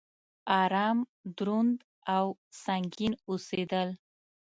ارام، دروند او سنګين اوسيدل